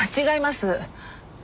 違います。